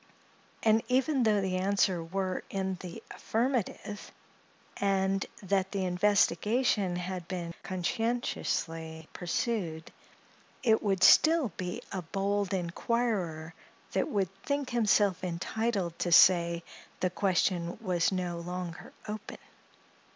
and even though the answer were in the affirmative, and that the investigation had been conscientiously pursued, it would be still a bold inquirer that would think himself entitled to say, the question was no longer open.